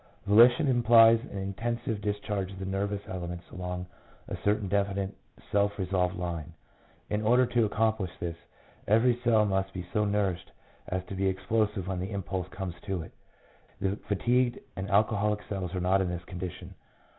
Volition implies an intensive dis charge of the nervous elements along a certain definite self resolved line. In order to accomplish this, every cell must be so nourished as to be explosive when the impulse comes to it. The fatigued and alcoholic cells are not in this condition.